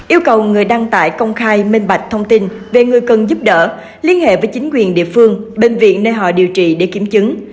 yêu cầu người đăng tải công khai minh bạch thông tin về người cần giúp đỡ liên hệ với chính quyền địa phương bệnh viện nơi họ điều trị để kiểm chứng